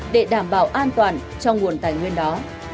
để đảm bảo an toàn cho nguồn tài nguyên đó